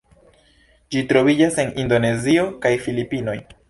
Ĝi troviĝas en Indonezio kaj Filipinoj.